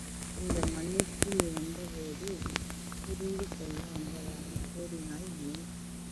இந்த மண்ணிற்கு நீ வந்தபோது புரிந்துகொள்ள வந்ததாகக் கூறினாய் நீ.